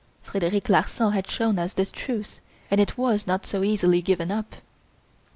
Frederic Larsan had shown us the truth and it was not so easily given up.